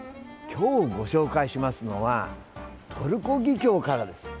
今日ご紹介しますのはトルコギキョウからです。